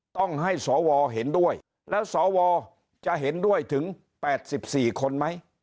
ต้องให้สวเห็นด้วยแล้วสวจะเห็นด้วยถึง๘๔คนไหม